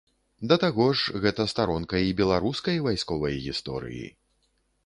Да таго ж гэта старонка і беларускай вайсковай гісторыі.